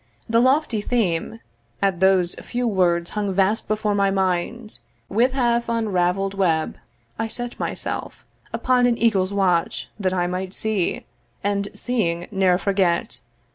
The lofty theme At those few words hung vast before my mind, With half unravel'd web. I set myself Upon an eagle's watch, that I might see, And seeing ne'er forget.